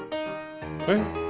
えっ！？